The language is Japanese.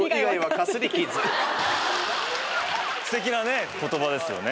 ステキなね言葉ですよね。